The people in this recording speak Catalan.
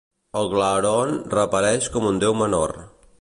El "Glaroon" reapareix com un deu menor.